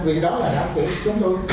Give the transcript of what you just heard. vì đó là đảo của chúng tôi